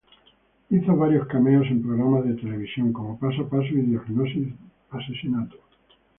Hizo varios cameos en programas de televisión como "Paso a paso" y "Diagnosis Murder".